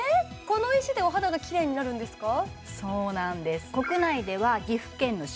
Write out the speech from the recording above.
この石でお肌がキレイになるんですか？